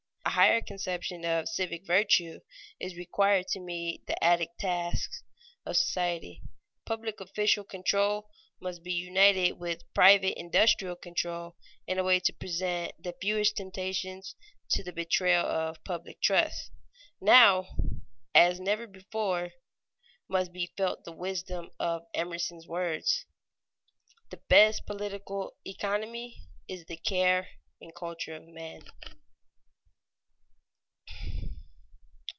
A higher conception of civic virtue is required to meet the added tasks of society. Public official control must be united with private industrial control in a way to present the fewest temptations to the betrayal of public trust. Now, as never before, must be felt the wisdom of Emerson's words: "The best political economy is the care and culture of men."